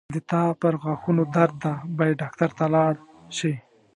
د تا پرغاښونو درد ده باید ډاکټر ته لاړ شې